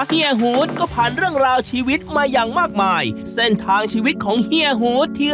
เฮียหูดก็ผ่านเรื่องราวชีวิตมาอย่างมากมายเส้นทางชีวิตของเฮียหูที่